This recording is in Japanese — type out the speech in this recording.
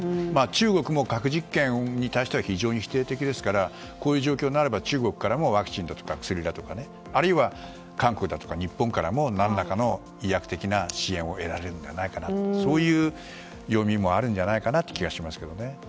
中国も核実験に対しては非常に否定的ですからこういう状況になれば中国からもワクチンだとか薬だとかあるいは韓国だとか日本からも何らかの医薬的な支援を得られるのではないかとそういう読みもあるんじゃないかなという気がしますけどね。